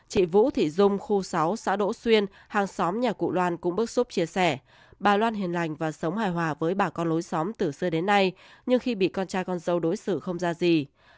chị vũ thị dung khu sáu xã đỗ xuyên hàng xóm nhà cụ loan cũng bức xúc chia sẻ bà loan hiền lành và sống hài hòa với bà con lối xóm từ xưa đến nay nhưng khi bị con trai con dâu đối xử không ra gì